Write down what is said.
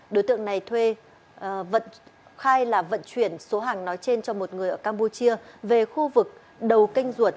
đối tượng này thuê khai là vận chuyển số hàng nói trên cho một người ở campuchia về khu vực đầu kênh duột